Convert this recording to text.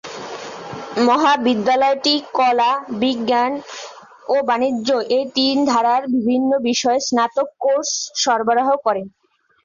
মহাবিদ্যালয়টি কলা, বিজ্ঞান ও বাণিজ্য এই তিনটি ধারার বিভিন্ন বিষয়ে স্নাতক কোর্স সরবরাহ করে।